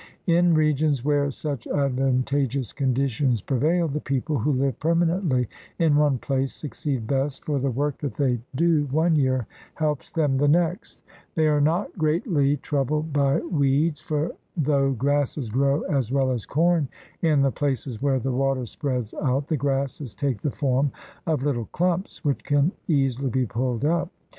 In regions where such advantageous conditions 150 THE RED MAN'S CONTINENT prevail, the people who live permanently in one place succeed best, for the work that they do one year helps them the next. They are not greatly troubled by weeds, for, though grasses grow as well as corn in the places where the water spreads out, the grasses take the form of little clumps which can easily be pulled up.